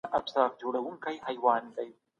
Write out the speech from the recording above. مرګ د بدن د فعالیت د درېدو نوم دی.